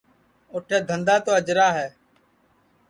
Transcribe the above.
اوٹھے دھندا تو اجرا ہے